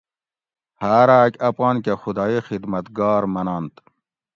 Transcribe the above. ہاۤر آۤک اپان کہ خدائ خدمت گار مننت